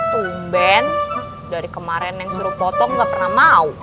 tumben dari kemarin neng suruh potong nggak pernah mau